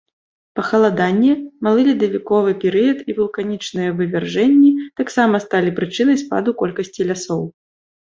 Пахаладанне, малы ледавіковы перыяд і вулканічныя вывяржэнні таксама сталі прычынай спаду колькасці лясоў.